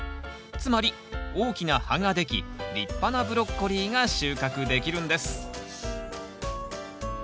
つまり大きな葉ができ立派なブロッコリーが収穫できるんです。